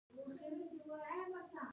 هغه وویل راپور راغلی چې دلته یهودان اوسیږي